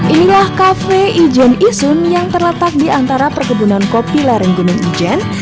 inilah kafe ijen isun yang terletak di antara perkebunan kopi lereng gunung ijen